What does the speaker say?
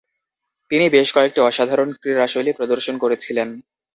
তিনি বেশ কয়েকটি অসাধারণ ক্রীড়াশৈলী প্রদর্শন করেছিলেন।